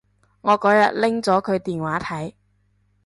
我嗰日拎咗佢電話睇